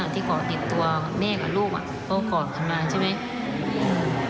ที่เกาะติดตัวแม่กับลูกก็กอดกันมาใช่ไหม